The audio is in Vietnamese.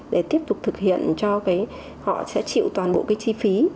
để tiếp tục thực hiện cho họ sẽ chịu toàn bộ cái chi phí